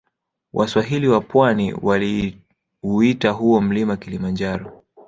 Waswahili wa pwani waliuita huo mlima kilimanjaro